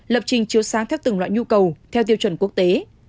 lập trình chiếu sáng theo từng loại nhu cầu theo tiêu chuẩn quốc tế